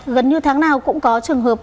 gần như tháng nào cũng có trường hợp